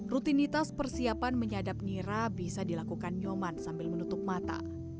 rutinitas persiapan menyadap nira bisa dilakukan nyoman sambil menutup mata